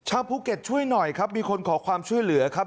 ภูเก็ตช่วยหน่อยครับมีคนขอความช่วยเหลือครับ